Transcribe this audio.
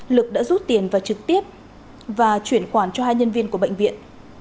lực đã rút tiền và trực tiếp và chuyển khoản cho hai nhân viên của bệnh viện